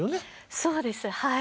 そうですはい。